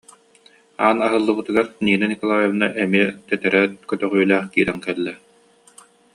Аан аһыллыбытыгар Нина Николаевна эмиэ тэтэрээт көтөҕүүлээх киирэн кэллэ